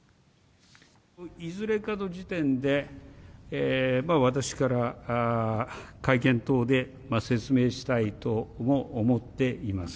いずれかの時点で、私から会見等で説明したいとも思っています。